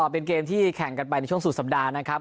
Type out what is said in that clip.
เป็นเกมที่แข่งกันไปในช่วงสุดสัปดาห์นะครับ